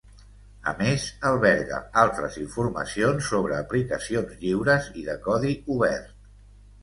A més, alberga altres informacions sobre aplicacions lliures i de codi obert.